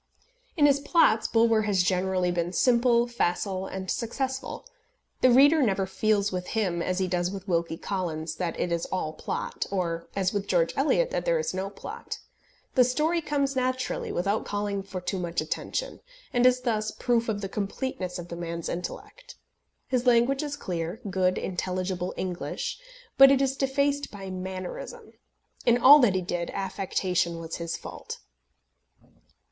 In his plots Bulwer has generally been simple, facile, and successful. The reader never feels with him, as he does with Wilkie Collins, that it is all plot, or, as with George Eliot, that there is no plot. The story comes naturally without calling for too much attention, and is thus proof of the completeness of the man's intellect. His language is clear, good, intelligible English, but it is defaced by mannerism. In all that he did, affectation was his fault.